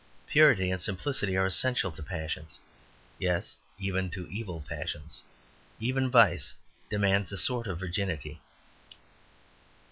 Purity and simplicity are essential to passions yes even to evil passions. Even vice demands a sort of virginity.